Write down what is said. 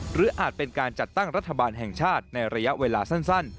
อาจเป็นการจัดตั้งรัฐบาลแห่งชาติในระยะเวลาสั้น